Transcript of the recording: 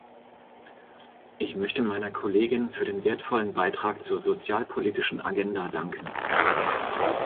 Ich möchte meiner Kollegin für den wertvollen Beitrag zur sozialpolitischen Agenda danken.